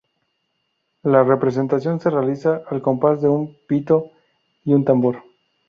La representación se realiza al compás de un pito y un tambor.